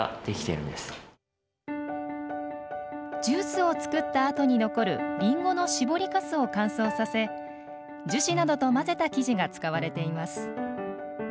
ジュースを作ったあとに残るりんごの搾りかすを乾燥させ樹脂などと混ぜた生地が使われています。